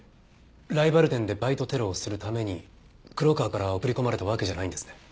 ライバル店でバイトテロをするために黒川から送り込まれたわけじゃないんですね？